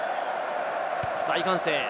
大歓声。